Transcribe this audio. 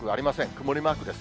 曇りマークです。